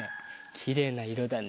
きれいないろだね。